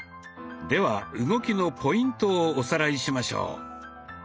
では動きのポイントをおさらいしましょう。